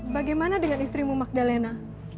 bagaimana dengan istrimu magdalena